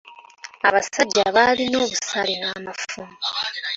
Abasajja baaalina obusaale n'amafumu!